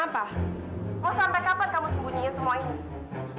oh sampai kapan kamu sembunyiin semua ini